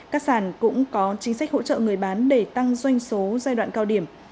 các sản cũng có chính sách hỗ trợ người bán để tăng doanh số giai đoạn cao điểm